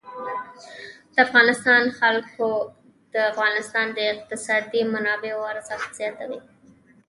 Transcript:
د افغانستان جلکو د افغانستان د اقتصادي منابعو ارزښت زیاتوي.